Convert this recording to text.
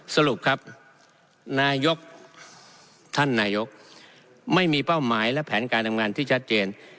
สรุปครับนายกท่านนายกไม่มีเป้าหมายและแผนการทำงานที่ชัดเจน